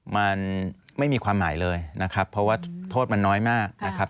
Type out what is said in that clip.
มันไม่มีความหมายเลยนะครับเพราะว่าโทษมันน้อยมากนะครับ